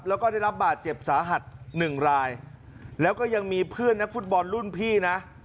แล้วก็ได้รับบาดเจ็บสาหัสหนึ่งรายแล้วก็ยังมีเพื่อนนักฟุตบอลรุ่นพี่นะ